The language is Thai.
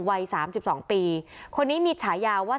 วัย๓๒ปีคนนี้มีฉายาว่า